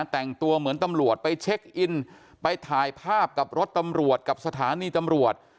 แต่งตัวเหมือนตำรวจไปเช็คอินไปถ่ายภาพกับรถตำรวจกับสถานีตำรวจ